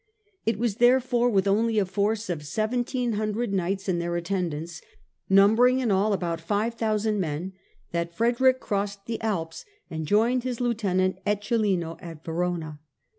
It was therefore with only a force of seventeen hundred knights and their attendants, numbering in all about five thousand men, that Frederick crossed the Alps and joined his lieutenant Eccelin at Verona.